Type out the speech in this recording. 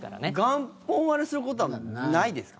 元本割れすることはないですか？